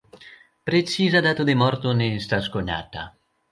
Preciza dato de morto ne estas konata.